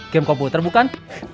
game komputer bukan